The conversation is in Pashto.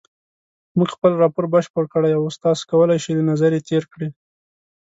مونږ خپل راپور بشپړ کړی اوس ته کولای شې له نظر یې تېر کړې.